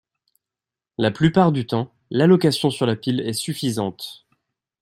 La plupart du temps, l'allocation sur la pile est suffisante.